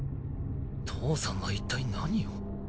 父さんは一体何を。